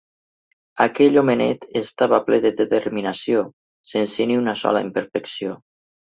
Aquell homenet estava ple de determinació, sense ni una sola imperfecció.